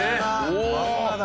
漫画だ。